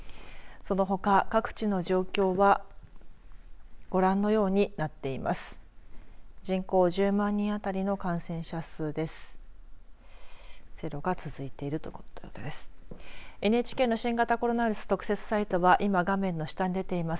そのほか、各地の状況はご覧のようになっています。